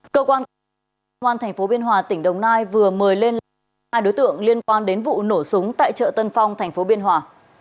cơ quan công an tp biên hòa tỉnh đồng nai vừa mời lên hai đối tượng liên quan đến vụ nổ súng tại chợ tân phong tp biên hòa